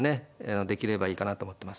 できればいいかなと思ってます。